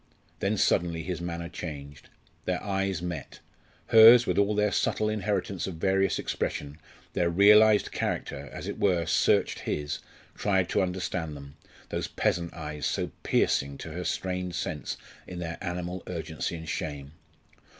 Then suddenly his manner changed. Their eyes met. Hers, with all their subtle inheritance of various expression, their realised character, as it were, searched his, tried to understand them those peasant eyes, so piercing to her strained sense in their animal urgency and shame.